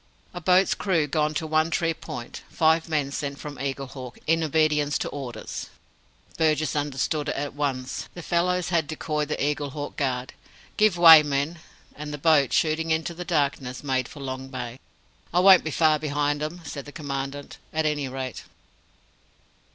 "A BOAT'S CREW GONE TO ONE TREE POINT! FIVE MEN SENT FROM EAGLEHAWK IN OBEDIENCE TO ORDERS!" Burgess understood it at once. The fellows had decoyed the Eaglehawk guard. "Give way, men!" And the boat, shooting into the darkness, made for Long Bay. "I won't be far behind 'em," said the Commandant, "at any rate."